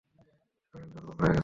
শরীর দুর্বল হয়ে গেছে।